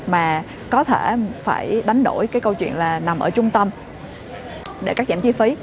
mà có thể phải đánh đổi cái câu chuyện là nằm ở trung tâm để cắt giảm chi phí